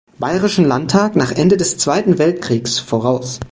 Bayerischen Landtag nach Ende des Zweiten Weltkriegs voraus.